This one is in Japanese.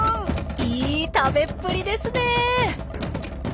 いい食べっぷりですねえ。